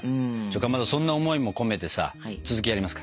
かまどそんな思いも込めてさ続きやりますか？